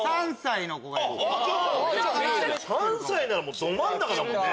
３歳ならど真ん中だもんね。